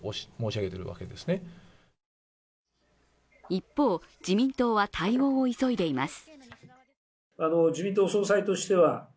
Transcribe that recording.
一方、自民党は対応を急いでいます。